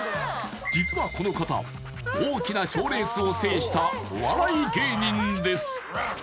実はこの方大きな賞レースを制したお笑い芸人です